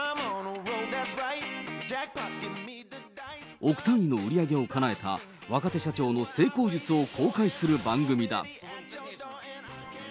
億単位の売り上げをかなえた若手社長の成功術を公開する番組だ。